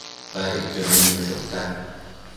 badedquio nainnu chota